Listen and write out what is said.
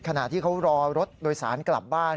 ขณะที่เขารอรถโดยสารกลับบ้าน